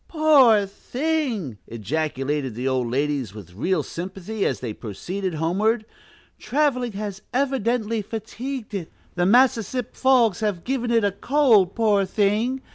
"Poor thing!" ejaculated the old ladies, with real sympathy, as they proceeded homeward; "traveling has evidently fatigued it; the Mass is sip fogs has given it a cold, poor thing!"